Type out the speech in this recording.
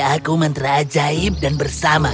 aku mantra ajaib dan bersama